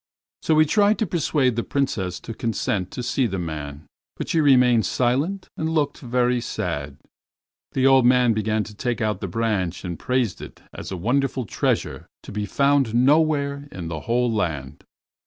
So he tried to persuade the Princess to consent to see the man. But she remained silent and looked very sad. The old man began to take out the branch and praised it as a wonderful treasure to be found nowhere in the whole land.